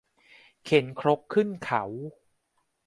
เข็นครกขึ้นเขา